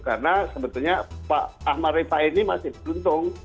karena sebetulnya pak ahmad rifai ini masih beruntung